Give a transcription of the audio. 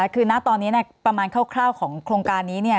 คือณตอนนี้ประมาณคร่าวของโครงการนี้